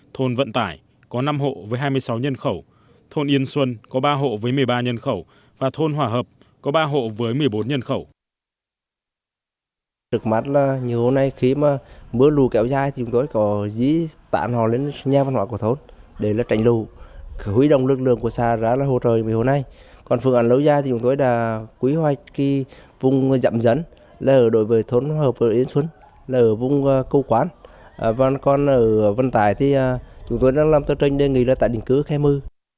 thôn vận tải có năm hộ với hai mươi sáu nhân khẩu thôn yên xuân có ba hộ với một mươi ba nhân khẩu và thôn hòa hợp có ba hộ với một mươi bốn nhân khẩu